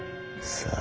さあ。